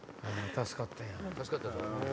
助かったな。